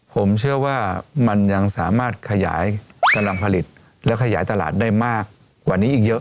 ผมเชื่อว่ามันยังสามารถขยายกำลังผลิตและขยายตลาดได้มากกว่านี้อีกเยอะ